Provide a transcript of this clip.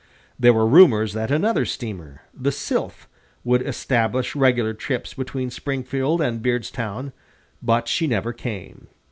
There were rumors that another steamer, the Sylph, would establish regular trips between Springfield and Beardstown, but she never came.